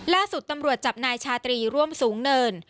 ล่าสุดตำรวจจับนายชาตรีร่วมสูงเนิน